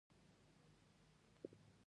هندوکش د اړتیاوو د پوره کولو وسیله ده.